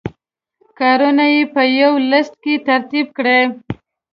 کارونه یې په یوه لست کې ترتیب کړئ.